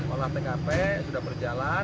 olah tkp sudah berjalan